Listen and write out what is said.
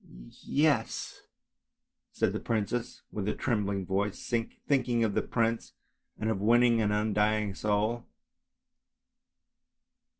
"" Yes! " said the little princess with a trembling voice, thinking of the prince and of winning an undying soul.